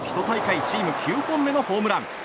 １大会チーム９本目のホームラン。